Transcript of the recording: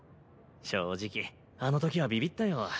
正直あのときはビビったよ。